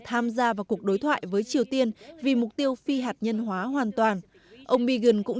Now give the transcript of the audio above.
tham gia vào cuộc đối thoại với triều tiên vì mục tiêu phi hạt nhân hóa hoàn toàn ông pagan cũng